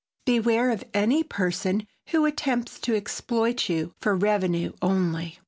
Beware of any person who attempts to exploit you "for revenue only."